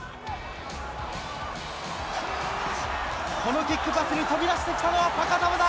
このキックパスに飛び出してきたのはファカタヴァだ。